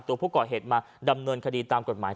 ตัวผู้ก่อเหตุมาดำเนินคดีตามกฎหมาย